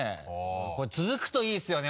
これ続くといいですよね